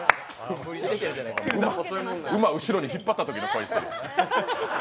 馬、後ろに引っ張ったときの声。